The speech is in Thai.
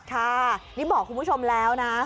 ค่ะนี่บอกคุณผู้ชมแล้วนะ